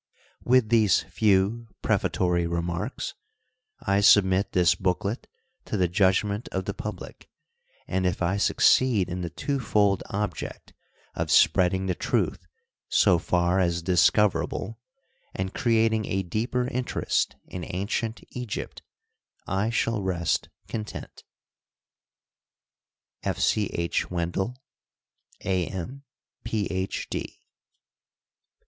With these few prefatory remarks I submit this book let to the judgment of the public, and, if I succeed in the twofold object of spreading the truth so far as discover able, and creating a deeper interest in ancient Eg>'pt, I shall rest content. F. C. H. Wendel, a. M., Ph. D.